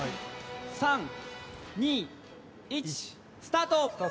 ３２１スタート！